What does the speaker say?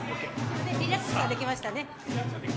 リラックスはできましたね。